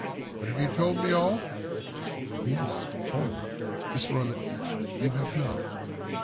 "But have you told me all?" "Yes, all." "Miss Roylott, you have not.